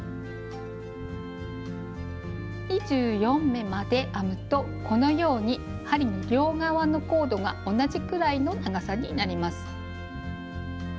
２４目まで編むとこのように針の両側のコードが同じくらいの長さになります。